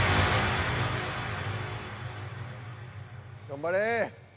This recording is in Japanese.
頑張れ。